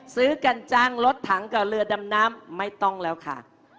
ซื้อกันจ้างรถถังกับเรือดำน้ำไม่ต้องแล้วค่ะ